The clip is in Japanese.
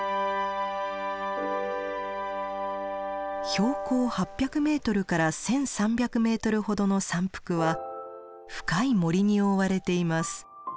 標高８００ｍから１，３００ｍほどの山腹は深い森に覆われています。